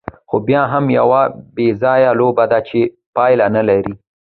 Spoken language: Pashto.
خو بیا هم یوه بېځایه لوبه ده، چې پایله نه لري.